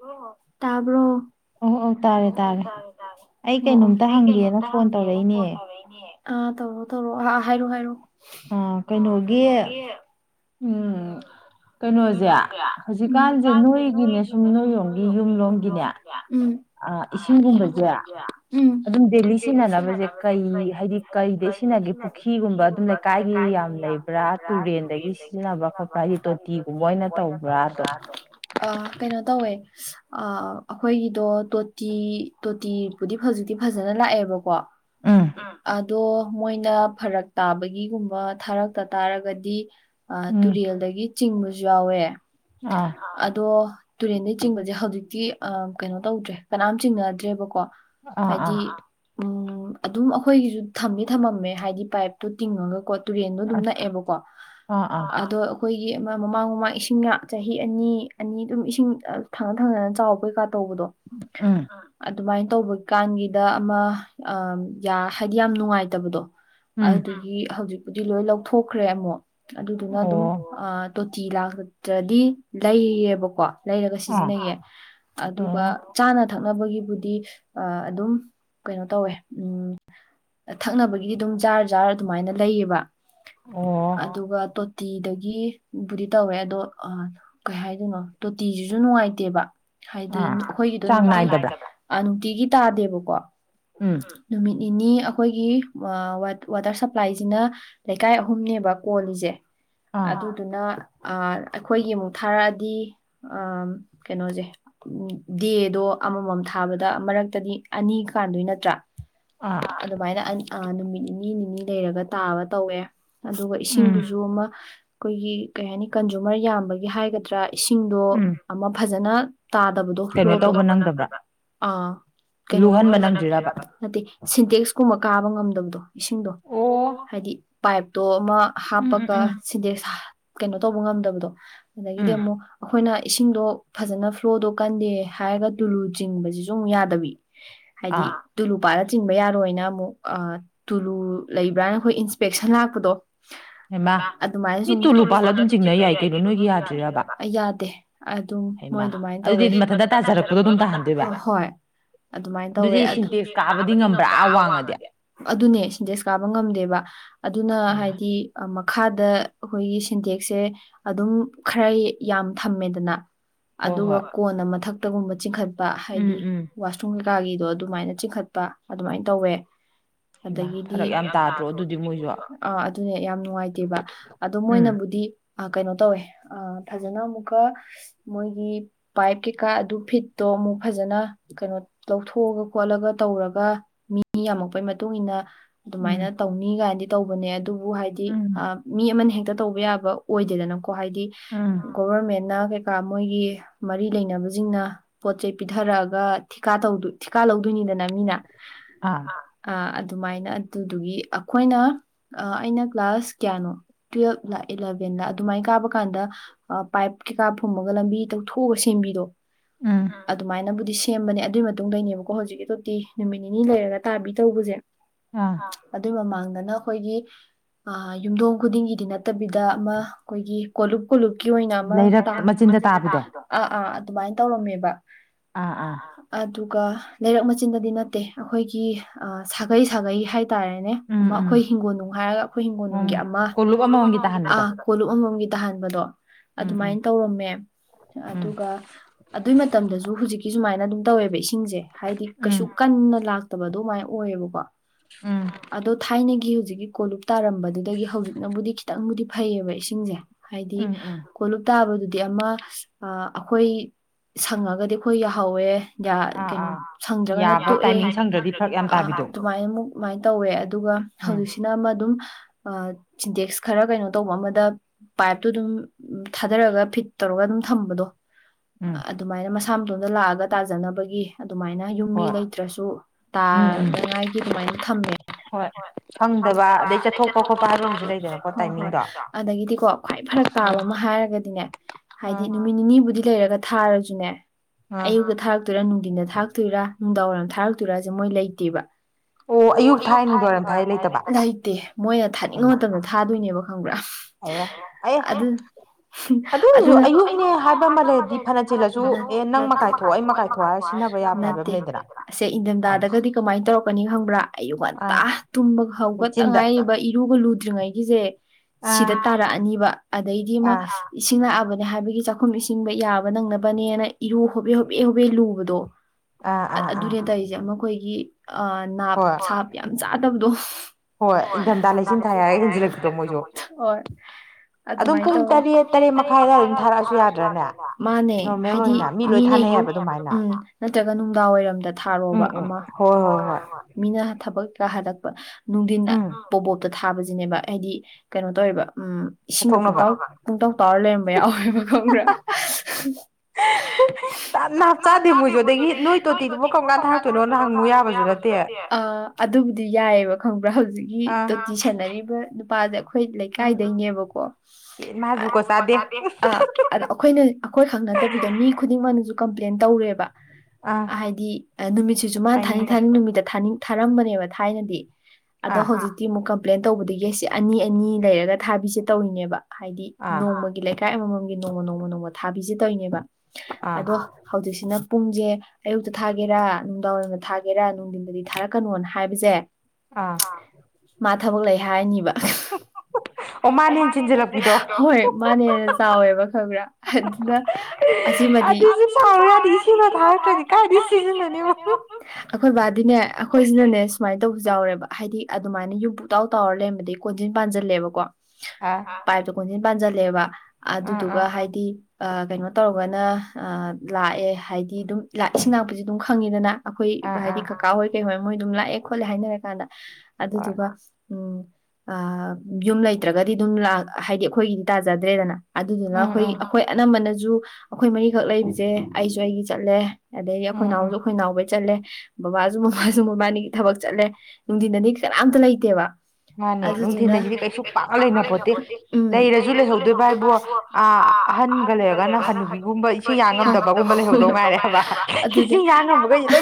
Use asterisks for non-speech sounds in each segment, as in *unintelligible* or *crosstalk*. hello ꯇꯥꯕ꯭ꯔꯣ ꯑꯣ ꯑꯣ ꯇꯥꯔꯦ ꯇꯥꯔꯦ ꯑꯣ ꯑꯩ ꯀꯩꯅꯣꯝꯇ ꯍꯪꯒꯦꯅ ꯐꯣꯟ ꯇꯧꯔꯛꯏꯅꯦ ꯑꯥ ꯇꯧꯔꯣ ꯇꯧꯔꯑꯣ ꯑꯥ ꯍꯥꯏꯔꯣ ꯍꯥꯏꯔꯣ ꯑꯥ ꯀꯩꯅꯣꯒꯤ ꯎꯝ ꯀꯩꯅꯣꯖꯦ ꯍꯧꯖꯤꯛꯀꯥꯟꯁꯦ ꯅꯣꯏꯒꯤꯅꯦ ꯁꯨꯝ ꯅꯣꯢꯔꯣꯝꯒꯤ ꯌꯨꯝꯂꯣꯝꯒꯤꯅꯦ ꯏꯁꯤꯡꯒꯨꯝꯕꯁꯦ ꯑꯗꯨꯝ ꯗꯦꯂꯤ ꯁꯤꯖꯤꯟꯅꯅꯕꯁꯦ ꯀꯩ ꯍꯥꯏꯗꯤ ꯀꯩ ꯄꯨꯈ꯭ꯔꯤꯒꯨꯝꯕ ꯑꯗꯨꯝ ꯂꯩꯀꯥꯏꯒꯤ ꯌꯥꯝ ꯂꯩꯕ꯭ꯔꯥ ꯇꯨꯔꯦꯟꯗꯒꯤ ꯁꯤꯖꯤꯟꯅꯕ ꯁꯤꯖꯤꯅꯕ꯭ꯔ ꯈꯣꯠꯄ꯭ꯔ ꯑꯗꯨ ꯇꯣꯇꯤꯒꯨꯝꯕ ꯑꯣꯏꯅ ꯇꯧꯕ꯭ꯔꯥ ꯑꯗꯨꯝ ꯑꯥ ꯀꯩꯅꯣ ꯇꯧꯋꯦ ꯑꯥ ꯑꯩꯈꯣꯏꯒꯤꯗꯣ ꯇꯣꯇꯤ ꯇꯣꯇꯤꯕꯨꯗꯤ ꯍꯧꯖꯤꯛꯇꯤ ꯐꯖꯅ ꯂꯥꯛꯑꯦꯕꯀꯣ ꯑꯥ ꯑꯗ ꯑꯗꯣ ꯃꯣꯏꯅ ꯐꯔꯛ ꯇꯥꯕꯒꯤꯒꯨꯝꯕ ꯊꯥꯔꯛꯇ ꯇꯥꯔꯒꯗꯤ ꯑꯥ ꯇꯨꯔꯦꯜꯗꯒꯤ ꯆꯤꯡꯕꯁꯨ ꯌꯥꯎꯋꯦ ꯑꯗꯣ ꯇꯨꯔꯦꯟꯗꯩ ꯆꯤꯡꯕꯁꯦ ꯍꯧꯖꯤꯛꯇꯤ ꯑꯥ ꯀꯩꯅꯣ ꯇꯧꯗ꯭ꯔꯦ ꯀꯅꯥꯝ ꯆꯤꯡꯅꯗ꯭ꯔꯦꯕꯀꯣ ꯑꯥ ꯑꯥ ꯍꯥꯏꯗꯤ ꯎꯝ ꯑꯗꯨꯝ ꯑꯩꯈꯣꯏꯒꯤꯁꯨ ꯊꯝꯗꯤ ꯊꯝꯃꯝꯃꯦ ꯍꯥꯏꯗꯤ ꯄꯥꯏꯞꯇꯣ ꯇꯤꯡꯉꯒ ꯀꯣꯠ ꯇꯨꯔꯦꯟꯗꯣ ꯑꯗꯨꯝ ꯅꯛꯑꯦꯕꯀꯣ ꯑꯗꯣ ꯑꯩꯈꯣꯏꯒꯤ ꯃꯃꯥꯡ ꯃꯃꯥꯡ ꯏꯁꯤꯡꯅ ꯆꯍꯤ ꯑꯅꯤ ꯑꯅꯤ ꯑꯗꯨꯝ ꯏꯁꯤꯡ ꯊꯪꯅ ꯊꯪꯅꯅ ꯆꯥꯎꯕꯩ ꯀꯥꯗꯣ ꯇꯧꯕꯗꯣꯑꯥ ꯑꯗꯨꯃꯥꯏꯅ ꯇꯧꯕ ꯀꯥꯟꯒꯤꯗ ꯑꯃ ꯑꯥ ꯍꯥꯏꯗꯤ ꯌꯥꯝ ꯅꯨꯡꯉꯥꯏꯇꯕꯗꯣ ꯑꯗꯨꯒꯤ ꯍꯧꯖꯤꯛꯄꯨꯗꯤ ꯂꯣꯏ ꯂꯧꯊꯣꯛꯈ꯭ꯔꯦ ꯑꯃꯨꯛ ꯑꯗꯨꯗꯨꯅ ꯑꯗꯨꯝ ꯑꯥ ꯇꯣꯇꯤ ꯂꯥꯛꯇ꯭ꯔꯗꯤ ꯂꯩꯌꯦꯕꯀꯣ ꯂꯩꯔꯒ ꯁꯤꯖꯤꯟꯅꯩꯌꯦ ꯑꯗꯨꯒ ꯆꯥꯅ ꯊꯛꯅꯕꯒꯤꯕꯨꯗꯤ ꯑꯥ ꯑꯗꯨꯝ ꯀꯩꯅꯣ ꯇꯧꯋꯦ ꯎꯝ ꯊꯛꯅꯕꯒꯤꯗꯤ ꯑꯗꯨꯝ ꯖꯥꯔ ꯖꯥꯔ ꯑꯗꯨꯃꯥꯏꯅ ꯂꯩꯌꯦꯕ ꯑꯣ ꯑꯗꯨꯒ ꯇꯣꯇꯤꯗꯒꯤꯕꯨꯗꯤ ꯇꯧꯋꯦ ꯑꯗꯣ ꯑꯥ ꯀꯩ ꯍꯥꯏꯗꯣꯏꯅꯣ ꯇꯣꯇꯤꯁꯤꯁꯨ ꯅꯨꯡꯉꯥꯏꯇꯦꯕ ꯍꯥꯏꯗꯤ ꯑꯩꯈꯣꯏꯒꯤꯗꯣ ꯆꯥꯡ ꯅꯥꯏꯗꯕꯔꯥ ꯑꯥ ꯅꯨꯡꯇꯤ ꯅꯨꯡꯇꯤꯒꯤ ꯇꯥꯗꯦꯕꯀꯣ ꯅꯨꯃꯤꯠ ꯅꯤ ꯅꯤ ꯑꯩꯈꯣꯏꯒꯤ ꯋꯥꯇꯔ ꯁꯄ꯭ꯂꯥꯏꯁꯤꯅ ꯂꯩꯀꯥꯏ ꯑꯍꯨꯝꯅꯦꯕ ꯀꯣꯜꯂꯤꯁꯦ ꯑꯗꯨꯗꯨꯅ ꯑꯥ ꯑꯩꯈꯣꯏꯒꯤ ꯑꯃꯨꯛ ꯊꯥꯔꯛꯑꯗꯤ ꯑꯥ ꯀꯩꯅꯣꯁꯦ ꯗꯦꯗꯣ ꯑꯃꯃꯝ ꯊꯥꯕꯗ ꯃꯔꯛꯇꯗꯤ ꯑꯅꯤ ꯀꯥꯟꯗꯣꯏ ꯅꯠꯇ꯭ꯔꯥ ꯑꯥ ꯑꯗꯨꯃꯥꯏꯅ ꯅꯨꯃꯤꯠ ꯅꯤꯅꯤ ꯅꯤꯅꯤ ꯂꯩꯔꯒ ꯇꯥꯕ ꯇꯧꯋꯦ ꯑꯗꯨꯒ ꯏꯁꯤꯡꯗꯨꯁꯨ ꯑꯃ ꯑꯩꯈꯣꯏꯒꯤ ꯀꯩ ꯍꯥꯏꯅꯤ ꯀꯟꯖꯨꯃꯔ ꯌꯥꯝꯕꯒꯤ ꯍꯥꯏꯒꯗ꯭ꯔꯥ ꯏꯁꯤꯡꯗꯣ ꯑꯃ ꯐꯖꯅ ꯇꯥꯗꯕꯗꯣ ꯑꯥ ꯐꯂꯣ ꯀꯩꯅꯣ ꯇꯧꯕ ꯅꯪꯗꯕ ꯑꯥ ꯀꯩꯅꯣ ꯇꯧꯕ ꯅꯪꯗ꯭ꯔꯤꯔꯕ ꯅꯠꯇꯦ ꯁꯤꯟꯇꯦꯛꯁ ꯀꯨꯝꯕ ꯀꯥꯕ ꯉꯝꯗꯕꯗꯣ ꯏꯁꯤꯡꯗꯣ ꯑꯣ ꯍꯥꯏꯗꯤ ꯄꯥꯏꯞꯇꯣ ꯑꯃ ꯍꯥꯞꯄꯒ ꯁꯤꯗꯦ ꯀꯩꯅꯣ ꯇꯧꯕ ꯉꯝꯗꯕꯗꯣ ꯑꯗꯒꯤꯗꯤ ꯑꯃꯨꯛ ꯑꯩꯈꯣꯏꯅ ꯏꯁꯤꯡꯗꯣ ꯐꯖꯅ ꯐ꯭ꯂꯣꯗꯣ ꯀꯟꯗꯦ ꯍꯥꯏꯔꯒ ꯇꯨꯂꯨ ꯆꯤꯡꯕꯁꯤꯁꯨ ꯑꯃꯨꯛ ꯌꯥꯗꯕꯤ ꯍꯥꯏꯗꯤ ꯇꯨꯂꯨ ꯄꯥꯜꯂ ꯆꯤꯡꯕ ꯌꯥꯔꯣꯏꯅ ꯑꯃꯨꯛ ꯇꯨꯂꯨ ꯂꯩꯕ꯭ꯔꯥꯅ ꯑꯩꯈꯣꯏ ꯏꯟꯁꯄꯦꯛꯁꯟ ꯂꯥꯛꯄꯗꯣ ꯍꯩꯃꯥ ꯑꯗꯨꯃꯥꯏꯅ ꯁꯨꯝ ꯃꯤ ꯇꯣꯂꯨ ꯄꯥꯜꯂꯒ ꯑꯗꯨꯝ ꯆꯤꯡꯅ ꯌꯥꯏ ꯀꯩꯗꯣ ꯅꯣꯏꯒꯤ ꯌꯥꯗꯔꯤꯔꯕ ꯑꯥ ꯌꯥꯗꯦ ꯑꯗꯨꯝ ꯃꯣꯏ ꯑꯗꯨꯃꯥꯏꯅ ꯍꯥꯏꯗꯤ ꯑꯗꯨꯝ ꯃꯊꯟꯇ ꯇꯖꯔꯛꯄꯗꯣ ꯑꯗꯨꯝ ꯇꯥꯗꯣꯏꯕ ꯇꯧꯋꯦ ꯍꯣ ꯍꯣꯏ ꯑꯗꯨꯃꯥꯏꯅ ꯇꯧꯋꯦ ꯀꯥꯕꯗꯤ ꯉꯝꯕ꯭ꯔꯥ ꯋꯥꯡꯉꯗꯤ ꯑꯗꯨꯅꯦ ꯁꯤꯟ ꯗꯦꯁ ꯀꯥꯕ ꯉꯝꯗꯦꯕ ꯑꯗꯨꯅ ꯍꯥꯏꯗꯤ ꯃꯈꯥꯗ ꯑꯩꯈꯣꯏꯒꯤ ꯁꯤꯟꯇꯦꯛꯁꯦ ꯑꯗꯨꯝ ꯈꯔ ꯌꯥꯝ ꯊꯝꯃꯦꯗꯅ ꯑꯗꯨꯒ ꯀꯣꯟꯅ ꯃꯊꯛꯇꯒꯨꯝꯕ ꯆꯤꯡꯈꯠꯄ ꯍꯥꯏꯗꯤ ꯋꯥꯁꯔꯨꯝꯒꯤ ꯀ ꯀꯥꯒꯤꯗꯣ ꯑꯗꯨꯃꯥꯏꯅ ꯆꯤꯡꯈꯠꯄ ꯑꯗꯨꯃꯥꯏꯅ ꯇꯧꯋꯦ ꯑꯗꯒꯤꯗꯤ ꯐꯔꯛ ꯌꯥꯝ ꯇꯥꯗꯔꯣ ꯑꯥ ꯑꯗꯨꯅꯦ ꯌꯥꯝ ꯅꯨꯡꯉꯥꯏꯇꯦꯕ ꯑꯗꯣ ꯃꯣꯏꯅꯕꯨꯗꯤ ꯑ ꯀꯩꯅꯣ ꯇꯧꯋꯦ ꯐꯖꯅ ꯑꯃꯨꯛꯀ ꯃꯣꯏꯒꯤ ꯄꯥꯏꯞ ꯀꯩꯀꯥ ꯑꯗꯨ ꯐꯤꯠꯇ ꯇꯣ ꯇꯣ ꯑꯃꯨꯛ ꯐꯖꯅ ꯀꯩꯅꯣ ꯂꯧꯊꯣꯛꯑꯒ ꯈꯣꯠꯂꯒ ꯇꯧꯔꯒ ꯃꯤ ꯌꯥꯝꯃꯛꯄꯩ ꯃꯇꯨꯡꯏꯟꯅ ꯑꯗꯨꯃꯥꯏꯅ ꯇꯧꯅꯤ ꯀꯥꯏꯗꯤ ꯇꯧꯕꯅꯦ ꯑꯗꯨꯕꯨ ꯍꯥꯏꯗꯤ ꯃꯤ ꯑꯃꯅ ꯍꯦꯛꯇ ꯇꯧꯕ ꯌꯥꯕ ꯑꯣꯏꯗꯦꯗꯅꯀꯣ ꯍꯥꯏꯗꯤ ꯒꯣꯕꯔꯃꯦꯟ ꯅ ꯀꯩꯀꯥ ꯃꯣꯏꯒꯤ ꯃꯔꯤ ꯂꯩꯅꯕꯁꯤꯡꯅ ꯄꯣꯠ ꯆꯩ ꯄꯤꯊꯔꯛꯑꯒ ꯊꯤꯀꯥ ꯇꯧ ꯊꯤꯀꯥ ꯂꯧꯗꯣꯏꯅꯤꯗꯅ ꯃꯤꯅ ꯑ ꯑꯗꯨꯃꯥꯏꯅ ꯑꯗꯨꯗꯨꯒꯤ ꯑꯩꯈꯣꯏꯅ ꯑ ꯑꯩꯅ ꯀ꯭ꯂꯥꯁ ꯀꯌꯥꯅꯣ ꯇꯨꯋꯜꯞ ꯂ ꯏꯂꯚꯦꯟꯂ ꯑꯗꯨꯃꯥꯏꯅ ꯀꯥꯕ ꯀꯥꯟꯗ ꯄꯥꯏꯞ ꯀꯩꯀꯥ ꯐꯨꯝꯃꯒ ꯂꯝꯕꯤ ꯇꯧꯊꯣꯛꯑꯒ ꯆꯤꯡꯕꯤꯗꯣ ꯑꯗꯨꯃꯥꯏꯅꯕꯨ ꯗꯤ ꯁꯦꯝꯕꯅꯦ ꯑꯗꯨꯏ ꯃꯇꯨꯡꯗꯩꯅꯦꯕꯀꯣ ꯍꯧꯖꯤꯛꯀꯤꯗꯨꯗꯤ ꯅꯨꯃꯤꯠ ꯅꯤꯅꯤ ꯂꯩꯔꯒ ꯇꯥꯕꯤ ꯇꯧꯕꯁꯦ ꯑꯗꯨꯏ ꯃꯃꯥꯡꯗꯅ ꯑꯩꯈꯣꯏꯒꯤ ꯌꯨꯝꯊꯣꯡ ꯈꯨꯗꯤꯡꯒꯤꯗꯤ ꯅꯠꯇꯕꯤꯗ ꯑꯃ ꯑꯩꯈꯣꯏꯒꯤ ꯀꯣꯂꯨꯞ ꯀꯣꯂꯨꯞꯀꯤ ꯑꯣꯏꯅ ꯑꯃ ꯂꯩꯔꯛ ꯃꯆꯤꯟꯗ ꯇꯥꯕꯤꯗꯣ ꯑꯥ ꯑꯥ ꯑꯗꯨꯃꯥꯏꯅ ꯇꯧꯔꯝꯃꯦꯕ ꯑꯥ ꯑꯥ ꯑꯗꯨꯒ ꯂꯩꯔꯛ ꯃꯆꯤꯟꯗꯗꯤ ꯅꯠꯇꯦ ꯑꯩꯈꯣꯏꯒꯤ ꯁꯥꯒꯩ ꯁꯥꯒꯩ ꯍꯥꯏ ꯇꯔꯦꯅꯦ ꯑꯃ ꯑꯩꯈꯣꯏ ꯍꯤꯡꯒꯣꯟ ꯍꯥꯏꯔꯒ ꯑꯩꯈꯣꯏ ꯍꯤꯡꯉꯣꯟꯅꯨꯡ ꯒꯤ ꯑꯃ ꯀꯣꯂꯨꯞ ꯑꯃꯃꯝꯒꯤ ꯀꯣꯂꯨꯞ ꯑꯃꯃꯝꯒꯤ ꯒꯤ ꯇꯥꯍꯟꯕꯗꯣ ꯑꯗꯨꯃꯥꯏꯅ ꯇꯧꯔꯝꯃꯦ ꯑꯗꯨꯒ ꯑꯗꯨꯢ ꯃꯇꯝꯗꯁꯨ ꯍꯧꯖꯤꯛꯀꯤ ꯁꯨꯃꯥꯏꯅ ꯍꯥꯏ ꯑꯗꯨꯝ ꯇꯧꯋꯦꯕ ꯏꯁꯤꯡꯁꯦ ꯍꯥꯏꯗꯤ ꯀꯩꯁꯨ ꯀꯟꯅ ꯂꯥꯛꯇꯕ ꯑꯗꯨꯃꯥꯏꯅ ꯑꯣꯏꯌꯦꯕꯀꯣ ꯑꯗꯣ ꯊꯥꯏꯅꯒꯤ ꯍꯧꯖꯤꯛꯀꯤ ꯀꯣꯂꯨꯞ ꯇꯥꯔꯝꯕꯗꯨꯗꯒꯤ ꯍꯧꯖꯤꯛ ꯅꯕꯨꯗꯤ ꯈꯤꯇꯪꯕꯨꯗꯤ ꯐꯩꯌꯦꯕ ꯏꯁꯤꯡꯁꯦ ꯍꯥꯏꯗꯤ ꯀꯣꯂꯨꯞ ꯇꯥꯕꯗꯨꯗꯤ ꯗꯤ ꯑꯃ ꯑꯩꯈꯣꯏ ꯁꯪꯉꯒꯗꯤ ꯑꯩꯈꯣꯏ ꯌꯥꯍꯧꯋꯦ ꯌꯥꯗ ꯀꯩꯅꯣ ꯁꯪꯗ꯭ꯔꯒꯅ ꯇꯣꯛꯑꯦ ꯑ ꯑꯗꯨꯃꯥꯏꯅ ꯑꯃꯨꯛ ꯑꯗꯨꯃꯥꯏꯅ ꯇꯧꯋꯦ ꯑꯗꯨꯒ ꯍꯧꯖꯤꯛꯁꯤꯅ ꯑꯃ ꯑꯗꯨꯝ ꯆꯤꯟꯗꯦꯛꯁ ꯈꯔ ꯀꯩꯅꯣ ꯇꯧꯕ ꯑꯃꯗ ꯄꯥꯏꯞꯇꯨ ꯑꯗꯨꯝ ꯊꯥꯗꯔꯒ ꯐꯤꯠ ꯇꯧꯔꯒ ꯑꯗꯨꯝ ꯊꯝꯕꯗꯣ ꯑꯗꯨꯃꯥꯏꯅ ꯃꯁꯥ ꯃꯇꯣꯝꯗ ꯂꯥꯛꯑꯒ ꯇꯥꯖꯅꯕꯒꯤ ꯑꯗꯨꯃꯥꯏꯅ ꯌꯨꯝ ꯃꯤ ꯂꯩꯇ꯭ꯔꯁꯨ ꯇꯥꯅꯉꯥꯏꯒꯤ ꯑꯗꯨꯃꯥꯏꯅ ꯊꯝꯃꯦ ꯈꯪꯗꯕ ꯑꯗꯩ ꯆꯠꯊꯣꯛꯄ ꯈꯣꯠꯄ ꯍꯥꯏ ꯄꯥꯏꯕ ꯑꯃ ꯁꯨ ꯍꯣꯏ ꯍꯣꯏ ꯑꯗꯒꯤꯗꯤꯀꯣ ꯈ꯭ꯋꯥꯏ ꯐꯔꯛ ꯇꯥꯕ ꯑꯃ ꯍꯥꯏꯔꯒꯗꯤꯅꯦ ꯍꯥꯏꯗꯤ ꯅꯨꯃꯤꯠ ꯅꯤꯅꯤꯕꯨꯗꯤ ꯂꯩꯔꯒ ꯊꯥꯔꯁꯨꯅꯦ ꯑꯌꯨꯛꯛꯇ ꯊꯥꯛꯔꯛꯇꯣꯏꯔꯥ ꯅꯨꯡꯊꯤꯟꯗ ꯊꯥꯛꯛꯇꯣꯏꯔꯥ ꯅꯨꯡꯗꯥꯡ ꯋꯥꯏꯔꯝ ꯊꯥꯔꯛꯇꯣꯏꯔꯁꯦ ꯃꯣꯏ ꯂꯩꯇꯦꯕ ꯑꯣ ꯑꯌꯨꯛ ꯊꯥꯏ ꯅꯨꯡꯗꯥꯡꯋꯥꯔꯝ ꯊꯥꯏ ꯂꯩꯇꯕ ꯃꯣꯏꯅ ꯊꯥꯅꯤꯡꯕ ꯃꯇꯝꯗ ꯊꯥꯗꯣꯏꯅꯦꯕ ꯈꯪꯕ꯭ꯔꯥ ꯑꯩꯌꯥ ꯑꯩꯌꯦ ꯑꯗꯣꯁꯨ ꯑꯌꯨꯛꯅꯦ ꯍꯥꯏꯕ ꯑꯃ ꯂꯩꯔꯗꯤ ꯐꯅ ꯆꯤꯜꯂꯁꯨ ꯑꯦ ꯅꯪ ꯑꯃ ꯀꯥꯏꯊꯣꯛꯑꯣ ꯑꯩ ꯃꯀꯥꯏꯊꯣꯛꯑꯣ ꯍꯥꯏꯔ ꯅꯠꯇꯦ ꯑꯁꯦ ꯏꯟꯊꯝꯊꯗꯒꯗꯤ ꯀꯃꯥꯏꯅ ꯇꯧꯔꯛꯀꯅꯤ ꯈꯪꯕ꯭ꯔꯥ ꯑꯌꯨꯛ ꯉꯟꯇꯥ ꯇꯨꯝꯕꯒ ꯍꯧꯒꯠꯇ ꯉꯥꯏꯔꯤꯕ ꯏꯔꯨ ꯂꯨꯗ꯭ꯔꯤꯉꯩꯒꯤꯁꯦ ꯁꯤꯗ ꯇꯔꯛꯑꯅꯤꯕ ꯑꯗꯩꯗꯤ ꯑꯃ ꯏꯁꯤꯡ ꯍꯥꯏꯕꯒꯤ ꯆꯥꯛꯈꯨꯝ ꯏꯁꯤꯡꯕ ꯌꯥꯕ ꯅꯪꯅꯕꯅꯦꯅ ꯏꯔꯨ ꯍꯣꯕꯦ ꯍꯣꯕꯦ ꯍꯣꯕꯦ ꯂꯨꯕꯗꯣ ꯑꯗꯨꯅꯦ ꯇꯧꯔꯤꯁꯦ ꯃꯈꯣꯏꯒꯤ ꯑ ꯅꯥꯞ ꯁꯥꯞ ꯌꯥꯝ ꯆꯥꯗꯕꯗꯣ ꯍꯣꯏ ꯑꯗꯨꯃꯥꯏꯅ ꯇꯧꯌꯦ ꯑꯗꯣ ꯄꯨꯡ ꯇꯔꯦꯠ ꯇꯔꯦꯠ ꯃꯈꯥꯏꯗ ꯑꯗꯥꯏꯗ ꯑꯗꯨꯝ ꯊꯥꯔꯛꯑꯁꯨ ꯌꯥꯗ꯭ꯔꯅꯦ ꯃꯥꯅꯦ ꯍꯥꯏꯗꯤ ꯃꯤꯅ ꯎꯝ ꯅꯠꯇ꯭ꯔꯒ ꯅꯨꯡꯗꯥꯡ ꯋꯥꯏꯔꯝꯗ ꯊꯥꯔꯣꯕ ꯑꯃ ꯍꯣꯏ ꯍꯣꯏ ꯃꯤꯅ ꯊꯕꯛ ꯀꯩꯀꯥ ꯍꯜꯂꯛꯄ ꯅꯨꯡꯊꯤꯜ ꯑꯣꯕꯣꯞꯇ ꯊꯥꯕꯁꯤꯅꯦꯕ ꯍꯥꯏꯗꯤ ꯀꯩꯅꯣ ꯇꯧꯋꯦꯕ ꯎꯝ ꯏꯁꯤꯡꯒ ꯄꯨꯡꯇꯥꯎ ꯄꯨꯡꯇꯥꯎ ꯇꯥꯎꯔ ꯂꯩꯔꯝꯕ ꯌꯥꯎꯋꯦꯕ ꯈꯪꯕ꯭ꯔꯥ *inaudible* ꯑꯁ ꯅꯥꯞ ꯆꯥꯗꯦ ꯃꯣꯏꯁꯨ ꯑꯗꯒꯤ ꯅꯣꯏ ꯇꯣꯇꯤꯗꯨꯕꯨ ꯀꯔꯝ ꯀꯥꯟꯗ ꯊꯥꯔꯛꯇꯣꯏꯅꯣꯅ ꯍꯪꯉꯨ ꯌꯥꯕꯁꯨ ꯅꯠꯇꯦ ꯑ ꯑꯗꯨꯕꯨꯗꯤ ꯌꯥꯏꯑꯕ ꯈꯪꯕ꯭ꯔꯥ ꯍꯧꯖꯤꯛꯀꯤ ꯇꯣꯇꯤ ꯁꯦꯟꯅꯔꯤꯕ ꯅꯨꯄꯥꯁꯦ ꯑꯩꯈꯣꯏ ꯂꯩꯀꯥꯏꯗꯩꯅꯦꯕꯀꯣ ꯑ ꯑꯩꯈꯣꯏꯅ ꯑꯩꯈꯣꯏ ꯈꯪꯅꯗꯕꯤꯗ ꯃꯤ ꯈꯨꯗꯤꯡꯃꯛꯅꯁꯨ ꯀꯝꯄ꯭ꯂꯦꯟ ꯇꯧꯔꯦꯕ ꯍꯥꯏꯗꯤ ꯅꯨꯃꯤꯠꯁꯤꯁꯨ ꯃꯥꯅ ꯊꯥꯅꯤꯡ ꯊꯥꯅꯤꯡ ꯅꯨꯃꯤꯠꯇ ꯊꯥꯅꯤꯡ ꯊꯥꯔꯝꯕꯅꯦꯕ ꯊꯥꯏꯅꯗꯤ ꯑꯗꯣ ꯍꯧꯖꯤꯛꯇꯤ ꯑꯃꯨꯛ ꯀꯝꯄ꯭ꯂꯦꯟ ꯇꯧꯕꯗꯒꯤ ꯍꯧꯖꯤꯛꯁꯦ ꯑꯅꯤ ꯑꯅꯤ ꯂꯩꯔꯒ ꯊꯥꯕꯤꯁꯦ ꯇꯧꯔꯤꯅꯦꯕ ꯍꯥꯏꯗꯤ ꯅꯣꯡꯃꯒꯤ ꯂꯩꯔ *unintelligible* ꯥꯑꯃꯝꯃꯒꯤ ꯅꯣꯡꯃ ꯅꯣꯡꯃ ꯅꯣꯡꯃ ꯊꯥꯕꯤꯁꯤ ꯇꯧꯔꯤꯅꯦꯕ ꯑꯗꯣ ꯍꯧꯖꯤꯛꯁꯤꯅ ꯄꯨꯡꯁꯦ ꯑꯌꯨꯛꯇ ꯊꯥꯒꯦꯔꯥ ꯅꯨꯡꯗꯥꯡ ꯋꯥꯏꯝꯗ ꯊꯥꯒꯦꯔꯥ ꯅꯨꯡꯊꯤꯟꯗꯗꯤ ꯊꯥꯔꯛꯀꯅꯣꯅ ꯍꯥꯏꯕꯁꯦ ꯑꯥ ꯃꯥ ꯊꯕꯛ ꯂꯩ ꯍꯥꯏꯔꯅꯤꯕ ꯃꯥꯅ ꯍꯦꯟꯅꯆꯤꯜꯖꯤꯜꯂꯛꯄꯤꯗꯣ ꯍꯣꯏ ꯃꯥꯅ ꯍꯦꯟ ꯆꯥꯎꯋꯦꯕ ꯈꯕ꯭ꯔꯥ ꯑꯗꯨꯗ ꯑꯗꯨꯁꯨ ꯁꯥꯎꯔꯨ ꯌꯥꯗꯦ ꯏꯁꯤꯡꯒ ꯊꯔꯛꯇ꯭ꯔꯗꯤ ꯀꯥꯏꯗꯒꯤ ꯁꯤꯖꯤꯟꯅꯅꯤ ꯑꯩꯈꯣꯏꯁꯤꯅꯅꯦ ꯁꯨꯃꯥꯏꯅ ꯇꯧꯕꯁꯨ ꯌꯥꯎꯔꯦꯕ ꯍꯥꯏꯗꯤ ꯑꯗꯨꯃꯥꯏꯅ ꯌꯨꯝ ꯄꯨꯇꯥꯎ ꯇꯥꯎꯔ ꯂꯩꯔꯝꯕꯗꯤ ꯀꯣꯟꯁꯤꯟ ꯄꯥꯟꯁꯤꯜꯂꯦꯕꯀꯣ ꯄꯥꯏꯞꯇꯣ ꯀꯣꯟꯁꯤꯟ ꯄꯥꯟꯁꯤꯜꯂꯦꯕ ꯑꯗꯨꯗꯨꯒ ꯍꯥꯏꯗꯤ ꯑ ꯀꯩꯅꯣ ꯇꯧꯔꯒꯅ ꯂꯥꯛꯑꯦ ꯍꯥꯏꯗꯤ ꯑꯗꯨꯝ ꯏꯁꯤꯡ ꯂꯥꯛꯄꯁꯦ ꯑꯗꯨꯝ ꯈꯪꯉꯤꯗꯅ ꯑꯩꯈꯣꯏ ꯍꯥꯏꯗꯤ ꯀꯀꯥ ꯍꯣꯏ ꯀꯩꯍꯣꯏ ꯃꯣꯏ ꯑꯗꯨꯝ ꯂꯥꯛꯑꯦ ꯈꯣꯠꯂꯦ ꯍꯥꯏꯅꯔ ꯀꯥꯟꯗ ꯑꯗꯨꯗꯨꯒ ꯎꯝ ꯑ ꯌꯨꯝ ꯂꯩꯇ꯭ꯔꯒꯗꯤ ꯑꯗꯨꯝ ꯂꯥꯛ ꯍꯥꯏꯗꯤ ꯑꯩꯈꯣꯏꯒꯤꯗꯤ ꯇꯥꯖꯗ꯭ꯔꯦꯗꯅ ꯑꯗꯨꯗꯨꯅ ꯑꯩꯈꯣꯏ ꯑꯩꯈꯣꯏ ꯑꯅꯝꯕꯅꯁꯨ ꯁꯨ ꯑꯩꯈꯣꯏ ꯃꯔꯤꯈꯛ ꯂꯩꯕꯁꯦ ꯑꯩꯁꯨ ꯑꯩꯒꯤ ꯆꯠꯂꯦ ꯑꯗꯗꯒꯤ ꯑꯩꯈꯣꯏ ꯅꯥꯎꯁꯨ ꯑꯩꯈꯣꯏ ꯏꯅꯥꯎꯕꯩ ꯆꯠꯂꯦ ꯕꯕꯥꯁꯨ ꯃꯃꯥꯁꯨ ꯃꯕꯥꯅꯤꯒꯤ ꯊꯕꯛ ꯆꯠꯂꯦ ꯅꯨꯡꯊꯤꯟꯗꯗꯤ ꯀꯅꯥꯝꯇ ꯂꯩꯇꯦꯕ ꯑꯗꯨꯗꯨꯅ ꯀꯩꯁꯨ ꯄꯥꯛ ꯂꯩꯟꯄꯣꯠꯇꯦ ꯂꯩꯔꯁꯨ ꯂꯩꯍꯧꯗꯧꯕ ꯍꯥꯏꯕꯣ ꯑ ꯑꯍꯟꯒ ꯂꯩꯔꯒꯅ ꯍꯟꯟꯅꯨꯕꯤꯒꯨꯝꯕ ꯏꯁꯤꯡ ꯌꯥ ꯉꯝꯗꯕꯒꯨꯝꯕ ꯂꯩꯍꯧꯗꯧ ꯉꯥꯏꯔꯦ ꯈꯪꯕ꯭ꯔꯥ ꯏꯁꯤꯡꯌꯥ ꯉꯝꯗꯕ *unintelligible*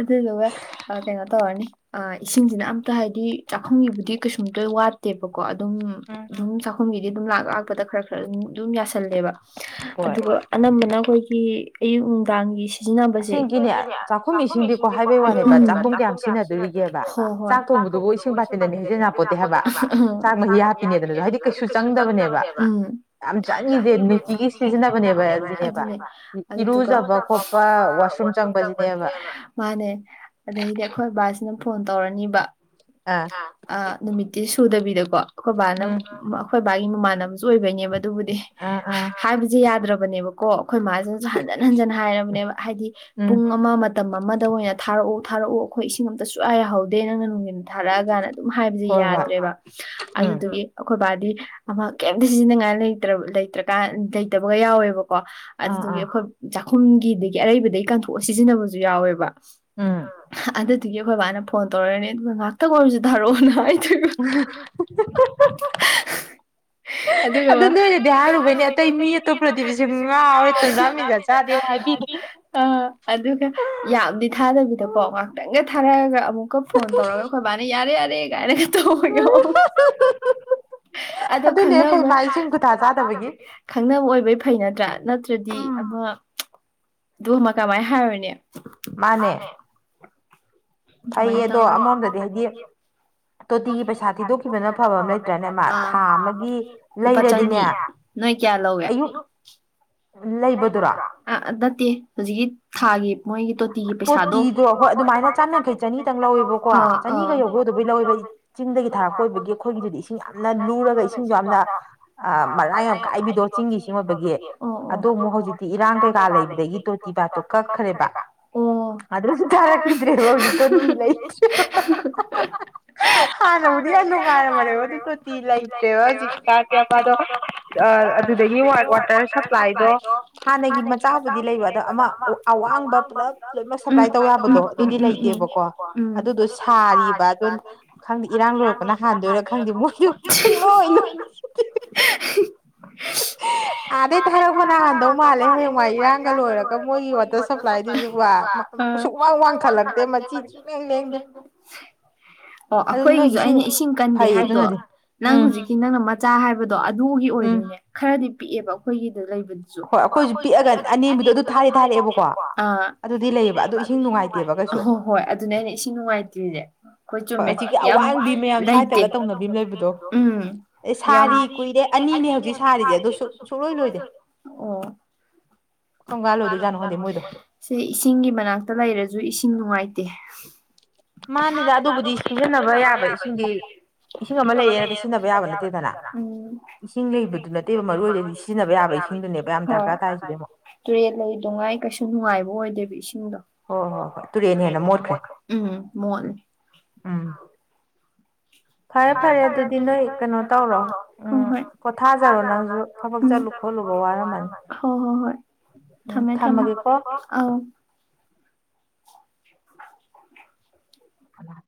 ꯑꯗꯨꯗꯨꯒ ꯑ ꯀꯧꯅꯣ ꯇꯧꯔꯅꯤ ꯑ ꯏꯁꯤꯡꯁꯤꯅ ꯑꯝꯇ ꯍꯥꯏꯗꯤ ꯆꯥꯛꯈꯨꯝꯒꯤꯕꯨꯗꯤ ꯀꯩꯁꯨꯝꯇ ꯋꯥꯠꯇꯦꯕꯀꯣ ꯑꯗꯨꯝ ꯑꯗꯨꯝ ꯆꯥꯛꯈ ꯆꯥꯛꯈꯨꯝꯒꯤꯗꯤ ꯑꯗꯨꯝ ꯂꯥꯛ ꯂꯥꯛꯄꯗ ꯈꯔ ꯈꯔ ꯑꯗꯨ ꯑꯗꯨꯝ ꯌꯥꯁꯜꯂꯦꯕ ꯑꯗꯨꯒ ꯑꯅꯝꯕꯅ ꯑꯩꯈꯣꯏꯒꯤ ꯑꯌꯨꯛ ꯅꯨꯡꯗꯥꯡꯒꯤ ꯁꯤꯖꯤꯟꯅꯕꯁꯦ ꯑꯁꯦꯡꯕꯒꯤꯅꯦ ꯆꯥꯛꯈꯨꯝ ꯏꯁꯤꯡꯗꯤꯀꯣ ꯍꯥꯏꯕ ꯋꯥꯅꯦꯕ ꯆꯥꯛꯈꯨꯝꯗ ꯌꯥꯝ ꯁꯤꯖꯤꯟꯅꯗꯦ ꯍꯣꯏ ꯍꯣꯏ ꯆꯥꯛ ꯊꯣꯡꯕꯗꯕꯨ ꯏꯁꯤꯡ ꯕꯥꯇꯤꯟ ꯑꯅꯤ ꯍꯩꯖꯤꯜ ꯌꯥꯄꯣꯠꯇꯦ ꯍꯥꯏꯕ *inaudible* ꯀꯩꯁꯨ ꯆꯪꯗꯕꯅꯦꯕ ꯎꯝ ꯌꯥꯝ ꯆꯪꯉꯤꯁꯦ ꯅꯨꯡꯇꯤꯒꯤ ꯁꯤꯖꯤꯟꯅꯕꯅꯦꯕ ꯑꯁꯤꯅꯦꯕ ꯏ ꯏꯔꯨꯖꯕ ꯈꯣꯞ ꯈꯣꯠꯄ ꯋꯥꯁꯔꯨꯝ ꯆꯪꯕꯁꯤꯅꯦꯕ ꯃꯥꯅꯦ ꯑꯗꯩꯗꯤ ꯑꯩꯈꯣꯏ ꯕꯥ ꯑꯗꯨꯝ ꯐꯣꯟ ꯇꯧꯔꯅꯤꯕ ꯑꯥ ꯅꯨꯃꯤꯠꯇꯤ ꯁꯨꯗꯕꯤꯗꯀꯣ ꯑꯩꯈꯣꯏ ꯕꯥꯅ ꯑꯩꯈꯣꯏ ꯕꯥꯒꯤ ꯃꯃꯥꯟꯅꯕꯁꯨ ꯑꯣꯏꯕꯩꯅꯦꯕ ꯑꯗꯨꯕꯨꯗꯤ ꯍꯥꯏꯕꯁꯦ ꯌꯥꯗ꯭ꯔꯕ ꯕꯅꯦꯕ ꯀꯣ ꯑꯩꯈꯣꯏ ꯃꯥꯅꯁꯨ ꯍꯟꯖꯟ ꯍꯟꯖꯟ ꯍꯥꯏꯔꯕꯅꯦꯕ ꯍꯥꯏꯗꯤ ꯄꯨꯡ ꯑꯃ ꯃꯇꯝ ꯑꯃꯗ ꯑꯣꯏꯅ ꯊꯥꯔꯛꯎ ꯊꯥꯔꯛꯎ ꯑꯩꯈꯣꯏ ꯏꯁꯤꯡ ꯑꯝꯇ ꯁꯨꯛꯌꯥ ꯌꯥꯍꯧꯗꯦ ꯅꯪꯅ ꯅꯨꯡꯊꯤꯜ ꯊꯥꯔꯛ ꯑꯥꯒꯅ ꯑꯗꯨꯝ ꯍꯥꯏꯕꯁꯦ ꯌꯥꯗ꯭ꯔꯦꯕ ꯑꯗꯨꯗꯨꯒꯤ ꯑꯩꯈꯣꯏꯕꯥꯗꯤ ꯑꯃꯥ ꯀꯩꯝꯇ ꯁꯤꯖꯤꯟꯅꯉꯥꯏ ꯂꯩꯇ꯭ꯔꯕ ꯂꯩꯇ꯭ꯔꯒ ꯂꯩꯇ꯭ꯔꯕ ꯂꯩꯇ꯭ꯔꯀꯥꯟ ꯂꯩꯇꯕꯒ ꯌꯥꯎꯋꯦꯕꯀꯣ ꯀꯣ ꯑꯗꯨꯗꯨꯒꯤ ꯑꯩꯈꯣꯏ ꯆꯥꯛꯈꯨꯝꯒꯤꯗꯒꯤ ꯑꯔꯩꯕꯗꯒꯤ ꯀꯟꯊꯣꯛꯑ ꯁꯤꯖꯤꯟꯅꯕꯖꯨ ꯌꯥꯎꯋꯦꯕ ꯑꯗꯨꯗꯨꯒꯤ ꯑꯩꯈꯣꯏ ꯕꯥꯅ ꯐꯣꯟ ꯇꯧꯔꯛꯢꯅꯤ ꯑꯗꯨꯒ ꯉꯥꯛꯇꯪ ꯑꯣꯏꯔꯖꯨ ꯊꯥꯔꯛꯑꯣꯅ ꯍꯥꯏ UNINTELLIGIBLE INAUDIBLE INAUDIBLE ꯑꯥ ꯑꯗꯨꯒ ꯌꯥꯝꯗꯤ ꯊꯥꯗꯕꯤꯗꯀꯣ ꯉꯥꯛꯇꯪꯒ ꯊꯥꯔꯛꯑꯒ ꯑꯃꯨꯛꯀ ꯐꯣꯟ ꯇꯧꯔꯒ ꯑꯩꯈꯣꯏꯕꯥꯅ ꯌꯥꯔꯦ- ꯌꯥꯔꯦ ꯀꯥꯏꯅꯒ ꯇꯧꯕ ꯌꯥꯎ INAUDIBLE ꯈꯪꯅꯕ ꯑꯣꯏꯕꯩ ꯐꯩ ꯅꯠꯇ꯭ꯔꯥ-ꯅꯠꯇ꯭ꯔꯗꯤ ꯑꯃ ꯗꯨꯃꯛ ꯀꯥꯃꯥꯏ ꯍꯥꯏꯔꯣꯅꯤ ꯃꯥꯟꯅꯦ ꯐꯩꯌꯦ ꯑꯗꯣ ꯑꯃꯥꯔꯣꯝꯗꯗꯤ ꯍꯥꯏ ꯗꯤ UNINTELLIGIBLE ꯀꯌꯥ ꯂꯧꯋꯤ ꯂꯩꯕꯗꯔꯣ ꯑꯥ ꯅꯠꯇꯦ ꯍꯧꯖꯤꯛꯀꯤ ꯊꯥꯒꯤ ꯃꯣꯏꯒꯤ ꯇꯣ UNINTELLIGIBLE ꯆꯤꯡꯗꯒꯤ ꯊꯥꯔꯛꯄ ꯑꯣꯏꯕꯒꯤ ꯑꯩꯈꯣꯏꯒꯤ ꯏꯁꯤꯡ ꯌꯥꯝꯅ ꯂꯨꯔꯒ ꯏꯁꯤꯡꯖꯨ ꯌꯥꯝꯅ ꯑꯥ ꯃꯔꯥꯛ ꯌꯥꯝ ꯀꯥꯏꯕꯤꯗꯣ ꯆꯤꯡꯒꯤꯖꯨ ꯑꯣꯏꯕꯒꯤ ꯑꯣ ꯑꯣ ꯑꯗꯨꯃꯨꯨꯛ ꯍꯧꯖꯤꯛꯇꯤ ꯏꯔꯥꯡ ꯀꯩꯀ ꯂꯩꯕꯗꯩ ꯇꯣꯇꯤ ꯄꯥꯏꯞꯇꯣ ꯀꯛꯈ꯭ꯔꯦꯕ INAUDIBLE INAUDIBLE ꯑꯗꯨꯗꯒꯤ ꯋꯥꯔ ꯋꯥꯇꯔ ꯁꯞꯄ꯭ꯂꯥꯏ ꯗꯣ ꯍꯥꯟꯅꯒꯤ ꯃꯆꯥꯕꯨꯗꯤ ꯂꯩꯕ ꯑꯗꯥ ꯑꯃ ꯑꯋꯥꯡꯕꯗꯣ INAUDIBLE INAUDIBLE ꯑꯥꯗꯩ ꯊꯥꯔꯛꯄꯅ INAUDIBLE UNINTELLIGIBLE ꯑꯣ ꯑꯩꯈꯣꯏꯒꯤꯖꯨ ꯑꯩꯅ ꯏꯁꯤꯡ ꯀꯟꯗꯦ ꯍꯥꯏꯗꯣ ꯅꯪ ꯍꯧꯖꯤꯛꯀꯤ ꯅꯪꯅ ꯃꯆꯥ ꯍꯥꯏꯕꯗꯣ ꯑꯗꯨꯒꯤ ꯑꯣꯏꯔꯗꯤꯅꯦ ꯈꯔꯗꯤ ꯄꯤꯛꯑꯦꯕ ꯑꯩꯈꯣꯏꯒꯤꯗ ꯂꯩꯕꯗꯨ ꯍꯣꯏ ꯑꯩꯈꯣꯏꯖꯨ ꯄꯤꯛꯑꯒ ꯑꯅꯦꯝꯕꯗꯣ ꯑꯗꯨ ꯊꯥꯗꯤ-ꯊꯥꯔꯛꯑꯦꯕꯀꯣ ꯑꯥ ꯑꯗꯨꯗꯤ ꯂꯩꯌꯦꯕ ꯑꯗꯨ ꯏꯁꯤꯡ ꯅꯨꯡꯉꯥꯏꯇꯦ ꯑꯥ ꯍꯣ ꯍꯣꯏ ꯑꯗꯨꯅꯦ ꯑꯩꯅ ꯏꯁꯤꯡ ꯅꯨꯡꯉꯥꯏꯇ꯭ꯔꯤꯖꯦ ꯍꯣꯏ ꯆꯨꯝꯃꯦ ꯌꯥꯝ ꯂꯩꯇꯦ INAUDIBLE ꯑꯣꯑꯣ ꯁꯤ ꯏꯁꯤꯡꯒꯤ ꯃꯅꯥꯛꯇ ꯂꯩꯔꯖꯨ ꯏꯁꯤꯡ ꯅꯨꯡꯉꯥꯏꯇꯦ INAUDIBLE ꯃꯥꯟꯅꯤꯗ ꯑꯗꯨꯕꯨꯗꯤ ꯁꯤꯖꯟꯅꯕ ꯌꯥꯕ ꯏꯁꯤꯡꯗꯤ ꯏꯁꯤꯡ ꯑꯃꯥ ꯂꯩꯌꯦ ꯑꯗꯨ ꯁꯤꯖꯤꯟꯅꯕ ꯌꯥꯕ ꯅꯠꯇꯦꯕ INAUDIBLE ꯍꯣꯏ ꯇꯨꯔꯦꯟ ꯂꯩꯗꯣꯉꯥꯏ ꯀꯩꯁꯨ ꯅꯨꯡꯉꯥꯏꯕ- ꯑꯣꯏꯗꯦꯕ ꯏꯁꯤꯡꯗꯣ ꯍꯣꯢ ꯍꯣꯢ ꯇꯨꯔꯦꯜꯅ ꯍꯦꯟꯅ ꯃꯣꯠꯇ꯭ꯔꯣ ꯎꯪ ꯃꯣꯠꯂꯤ ꯐꯔꯦ ꯐꯔꯦ ꯑꯗꯨꯗꯤ ꯅꯣꯏ ꯀꯩꯅꯣ ꯇꯧꯔꯣ ꯍꯣꯢ ꯍꯣꯢ ꯄꯣꯊꯥꯖꯔꯣ ꯅꯪꯖꯨ ꯆꯠꯂꯨ-ꯈꯣꯠꯂꯨꯕ ꯋꯥꯔꯝ ꯃꯅꯤ ꯍꯣ ꯍꯣꯏ ꯊꯝꯃꯦ-ꯊꯝꯃꯦ ꯊꯝꯃꯒꯦ ꯀꯣ ꯑꯧ *unintelligible* ꯀꯅꯅꯣ